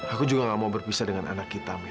aku juga nggak mau berpisah dengan anak kita mila